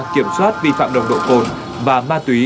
kiểm soát vi phạm đồng độ cổn và ma túy